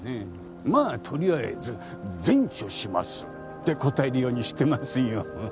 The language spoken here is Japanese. まあとりあえず善処しますって答えるようにしてますよ。ははっ。